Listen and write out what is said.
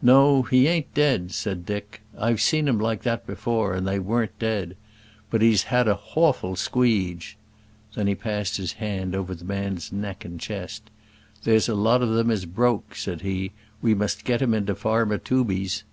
"No; he ain't dead," said Dick "I've seen 'em like that before, and they wurn't dead. But he's had a hawful squeege." Then he passed his hand over the man's neck and chest. "There's a lot of 'em is broke," said he. "We must get him into farmer Tooby's."